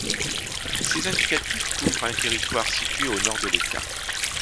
Ces indicatifs couvrent un territoire situé au nord de l'État.